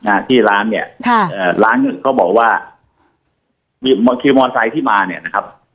อ่าที่ร้านเนี้ยค่ะเอ่อร้านเขาบอกว่าคือที่มาเนี้ยนะครับ